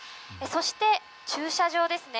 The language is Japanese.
そして駐車場ですね。